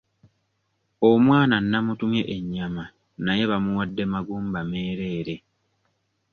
Omwana namutumye ennyama naye bamuwadde magumba meereere.